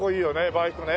バイクね。